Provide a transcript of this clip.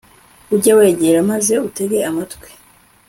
ujye wegera maze utege amatwi